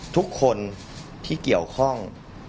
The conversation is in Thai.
ทุกคนที่เกี่ยวข้อง